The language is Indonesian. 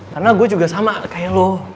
karena gue juga sama kayak lo